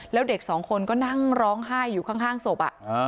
แล้วเด็กสองคนก็นั่งร้องไห้อยู่ข้างศพ